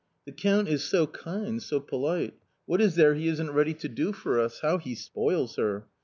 The Count is so kind, so polite : what is there he isn't ready to do for us ; how he spoils her